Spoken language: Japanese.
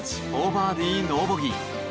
４バーディー、ノーボギー。